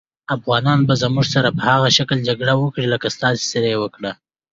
افغانان به زموږ سره په هغه شکل جګړه وکړي لکه ستاسې سره یې وکړه.